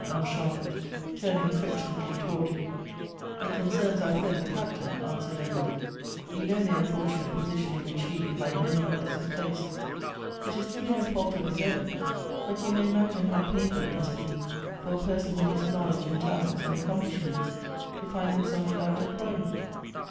asked Charlotte, turning affection ately towards him. " It concerns our friend the Captain," answered Ed ward; "you know the unfortunate position in which he, like many others, is placed. It is through no fault of his own; but you may imagine how painfiil it must be for a person with his knowledge and talents and accomplish ments, to find himself without employment.